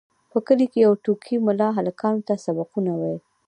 په کلي کې یو ټوکي ملا هلکانو ته سبقونه ویل.